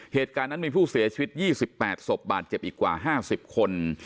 เหตุการณ์นั้นมีผู้เสียชีวิต๒๘ศพบาดเจ็บอีกกว่า๕๐คน